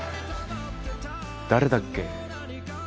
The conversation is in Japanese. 誰だっけ？